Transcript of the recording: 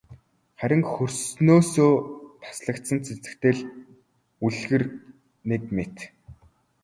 Харин хөрснөөсөө таслагдсан цэцэгтэй л үлгэр нэг мэт.